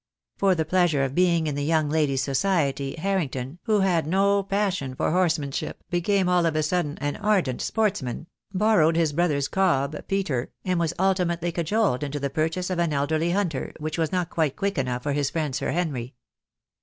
For the pleasure of being in the young lady's society Harrington, who had no passion for horse manship, became all of a sudden an ardent sportsman, borrowed his brother's cob, Peter, and was ultimately cajoled into the purchase of an elderly hunter, which was not quite quick enough for his friend Sir Henry.